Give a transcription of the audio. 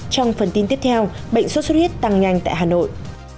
trong phần tin tiếp theo bệnh sốt xuất huyết tăng nhanh tại hà nội